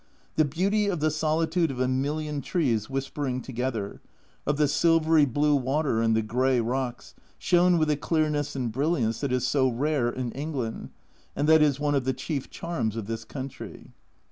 The beauty of the solitude of a million trees whispering together, of the silvery blue water and the grey rocks, shone with a clearness and brilliance that is so rare in England, and that is one of the chief charms of this country.